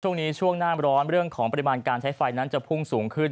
ช่วงนี้ช่วงหน้าร้อนเรื่องของปริมาณการใช้ไฟนั้นจะพุ่งสูงขึ้น